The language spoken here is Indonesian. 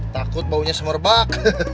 takut baunya smerbak